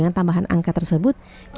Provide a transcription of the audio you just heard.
dan salah satu negara blend